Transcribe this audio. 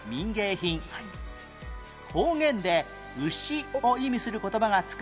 方言で牛を意味する言葉がつく